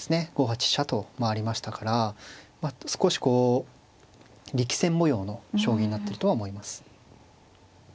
５八飛車と回りましたからまあ少しこう力戦模様の将棋になってるとは思います。